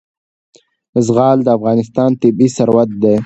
زغال د افغانستان طبعي ثروت دی.